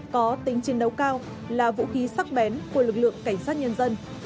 có tính chiến đấu cao là vũ khí sắc bén của lực lượng cảnh sát nhân dân